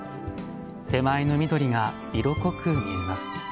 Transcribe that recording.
手前の緑が色濃く見えます。